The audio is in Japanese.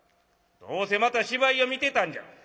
どうせまた芝居を見てたんじゃろ」。